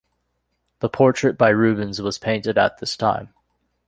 The portrait by Rubens was painted at this time.